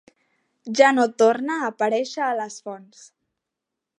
Ja no torna a aparèixer a les fonts.